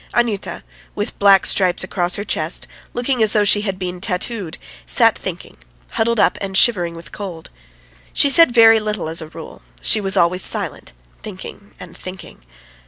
Anyuta, with black stripes across her chest, looking as though she had been tattooed, sat thinking, huddled up and shivering with cold. She said very little as a rule; she was always silent, thinking and thinking.